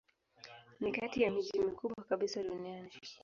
Ni kati ya miji mikubwa kabisa duniani.